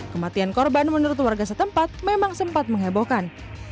kematian korban menurut warga setempat memang sempat menghebohkan